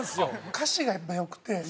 歌詞がやっぱ良くて。